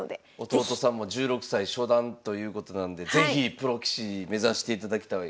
弟さんも１６歳初段ということなんで是非プロ棋士目指していただきたい。